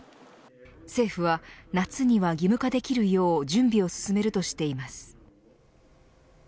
政府は夏には義務化できるよう準備を進めるとしています。